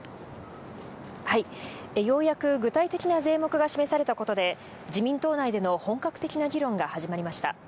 ようやく具体的な税目が示されたことで、自民党内での本格的な議論が始まりました。